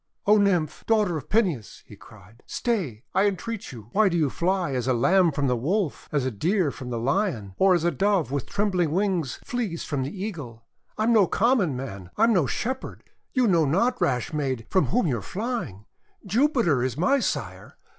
(O Nymph! daughter of Peneus," he cried, "stay, I entreat you! Why do you fly as a Lamb from the Wolf, as a Deer from the Lion, or as a Dove with trembling wings flees from the Eagle! I am no common man! I am no Shepherd! You know not, rash maid, from whom you are flying! Jupiter is my sire.